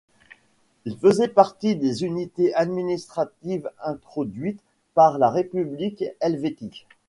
Il faisait partie des unités administratives introduites par la République helvétique.